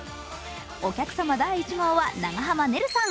お客様第１号は長濱ねるさん。